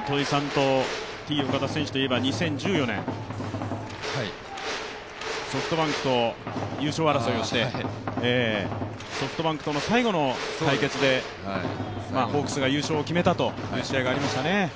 糸井さんとＴ−岡田選手といえば２０１４年ソフトバンクと優勝争いをして、ソフトバンクとの最後の対決でホークスが優勝を決めたという試合がありましたよね。